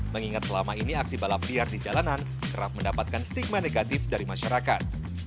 mengingat selama ini aksi balap liar di jalanan kerap mendapatkan stigma negatif dari masyarakat